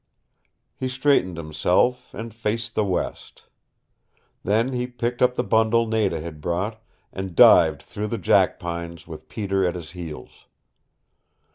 He straightened himself, and faced the west. Then he picked up the bundle Nada had brought, and dived through the jackpines, with Peter at his heels.